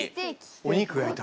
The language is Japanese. お肉焼いた？